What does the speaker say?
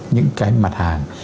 những cái mặt hàng